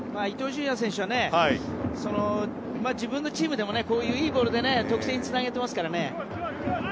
伊東純也選手は自分のチームでもこういう、いいボールで得点につなげていますからね。